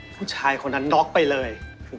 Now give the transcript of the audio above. ผู้ชายคนนั้นน็อกไปเลย